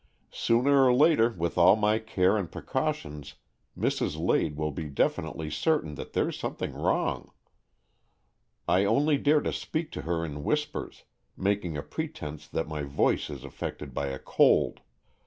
Sooner or later, with all my care and precautions, Mrs. Lade will be definitely certain that there's something wrong. I only dare to speak to her in whispers, making a pretence that my voice is affected by a cold.